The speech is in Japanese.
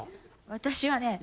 私はね